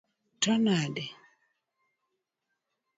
To nade?